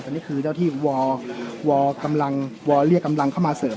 อันนี้คือเจ้าที่วอกำลังวอเรียกกำลังเข้ามาเสริม